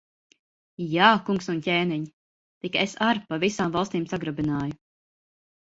Jā, kungs un ķēniņ! Tik es ar pa visām valstīm sagrabināju.